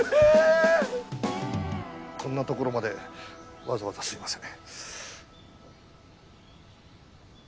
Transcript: こんな所までわざわざすいません。